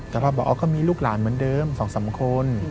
แต่พอบอกอ๋อก็มีลูกหลานเหมือนเดิม๒๓คน